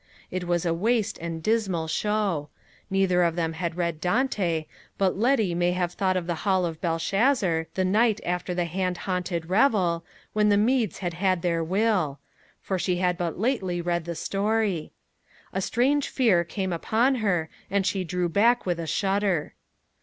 It was a waste and dismal show. Neither of them had read Dante; but Letty may have thought of the hall of Belshazzar, the night after the hand haunted revel, when the Medes had had their will; for she had but lately read the story. A strange fear came upon her, and she drew back with a shudder.